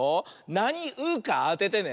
なに「う」かあててね。